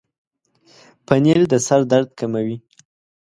پنېر د سر درد کموي.